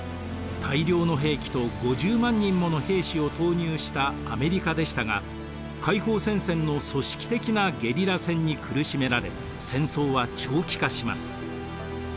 大量の兵器と５０万人もの兵士を投入したアメリカでしたが解放戦線の組織的なゲリラ戦に苦しめられ戦争は長期化します。